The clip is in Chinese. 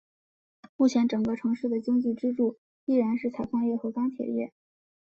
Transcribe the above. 目前整个城市的经济支柱依然是采矿业和钢铁业。